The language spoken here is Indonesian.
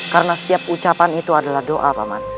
karena setiap ucapan itu adalah doa paman